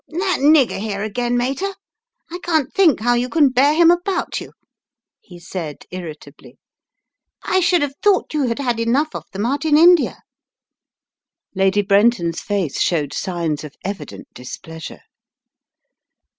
"That nigger here again, Mater? I can't think how you can bear him about you," he said, irritably, "I should have thought you had had enough of them out in India." Lady Brenton's face showed signs of evident dis pleasure.